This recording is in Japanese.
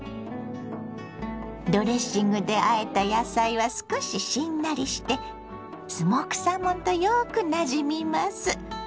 ドレッシングであえた野菜は少ししんなりしてスモークサーモンとよくなじみます。